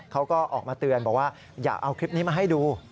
เขาก็ออกมาเตือนบอกว่าอย่าเอาคลิปนี้มาให้ดู